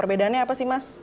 perbedaannya apa sih mas